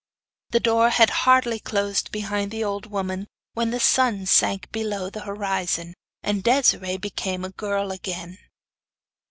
The door had hardly closed behind the old woman when the sun sank below the horizon, and Desiree became a girl again.